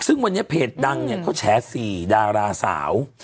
ซึ่งวันนี้เพจดังเนี่ยเขาแฉ๔ดาราสาว